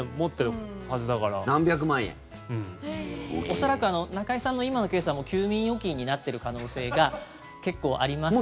恐らく中居さんの今のケースはもう休眠預金になっている可能性が結構ありますから。